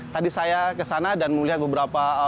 tadi saya ke sana dan melihat beberapa petak garam